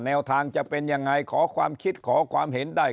แนวทางจะเป็นยังไงขอความคิดขอความเห็นได้